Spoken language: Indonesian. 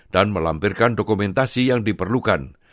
dan melampirkan dokumentasi yang diperlukan